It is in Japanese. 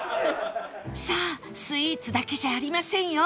さあスイーツだけじゃありませんよ